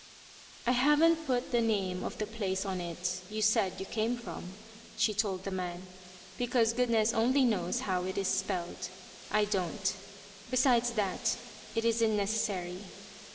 "I hav'n't put the name of the place on it you said you came from," she told the man, "because goodness only knows how it is spelled; I don't. Besides that, it isn't necessary.